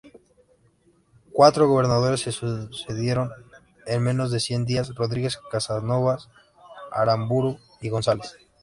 Cuatro gobernadores se sucedieron en menos de cien días: Rodríguez, Casanovas, Aramburú y González.